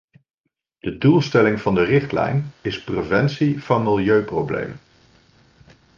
De doelstelling van de richtlijn is preventie van milieuproblemen.